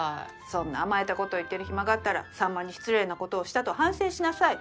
そんな甘えたこと言ってる暇があったら秋刀魚に失礼なことをしたと反省しなさい。